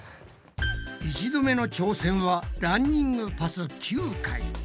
１度目の挑戦はランニングパス９回。